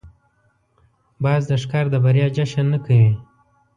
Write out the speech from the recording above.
باز د ښکار د بریا جشن نه کوي